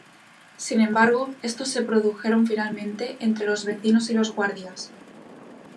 Sin embargo, estos se produjeron finalmente entre los vecinos y los guardias.